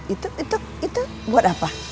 itu itu itu buat apa